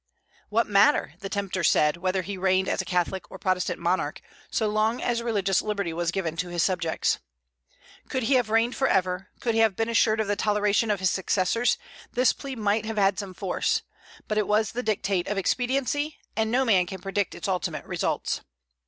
What matter, the tempter said, whether he reigned as a Catholic or Protestant monarch, so long as religious liberty was given to his subjects? Could he have reigned forever, could he have been assured of the toleration of his successors, this plea might have had some force; but it was the dictate of expediency, and no man can predict its ultimate results.